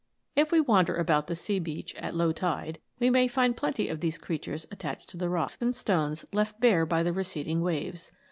If we wander about the sea beach at low tide, we may find plenty of these creatures attached to the rocks and stones left bare by the receding waves.